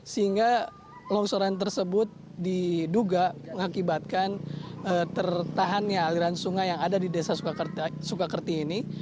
sehingga longsoran tersebut diduga mengakibatkan tertahannya aliran sungai yang ada di desa sukakerti ini